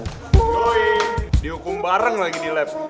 oh dihukum bareng lagi di lab